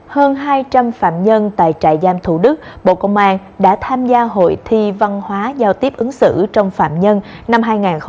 hơn hai trăm linh phạm nhân tại trại giam thủ đức bộ công an đã tham gia hội thi văn hóa giao tiếp ứng xử trong phạm nhân năm hai nghìn hai mươi ba